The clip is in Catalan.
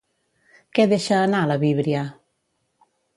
Què deixa anar, la víbria?